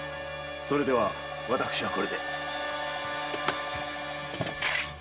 それでは私はこれで。